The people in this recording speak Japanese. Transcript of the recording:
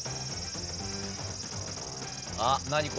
あっ何？